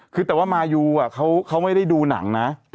คือแต่ว่ามายูเขาไม่ได้ดูหนังนะ